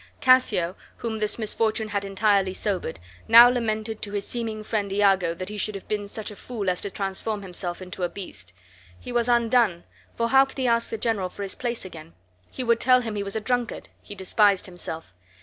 Cassio, whom this misfortune had entirely sobered, now lamented to his seeming friend Iago that he should have been such a fool as to transform himself into a beast. He was undone, for how could he ask the general for his place again? He would tell him he was a drunkard. He despised himself.